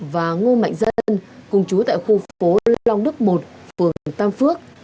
và ngô mạnh dân cùng chú tại khu phố long đức một phường tam phước